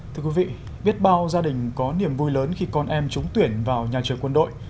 thưa quý vị biết bao gia đình có niềm vui lớn khi con em trúng tuyển vào nhà trường quân đội